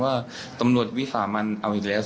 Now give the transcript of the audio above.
ไม่เกิน๕วินีต้องรั่นแล้วครับ